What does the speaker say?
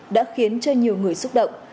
đã khiến cho nhiều người xúc động